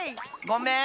ごめん。